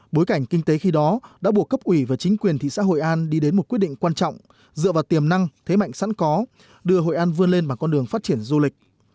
bối cảnh kinh tế khi đó đã buộc cấp ủy và chính quyền thị xã hội an đi đến một quyết định quan trọng dựa vào tiềm năng thế mạnh sẵn có đưa hội an vươn lên bằng con đường phát triển du lịch